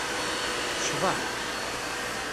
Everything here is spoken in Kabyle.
Tecḍeḥ.